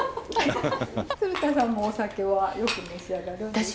鶴田さんもお酒はよく召し上がるんですか？